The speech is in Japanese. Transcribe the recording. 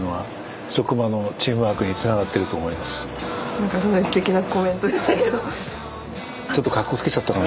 何かすごいすてきなコメントでしたけど。